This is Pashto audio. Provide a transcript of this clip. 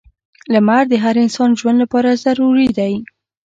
• لمر د هر انسان ژوند لپاره ضروری دی.